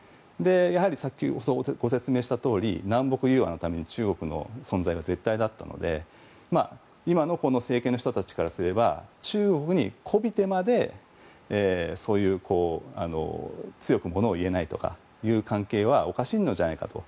やはり先ほどご説明したとおり南北融和のために中国の存在は絶対だったので今の政権の人からすれば中国にこびてまで、そういう強くものを言えない関係はおかしいんじゃないかと。